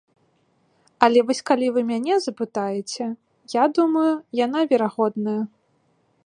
Але вось калі вы мяне запытаеце, я думаю, яна верагодная.